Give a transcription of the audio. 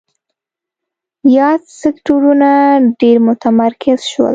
یاد سکتورونه ډېر متمرکز شول.